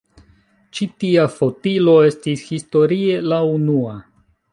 Ĉi tia fotilo estis historie la unua.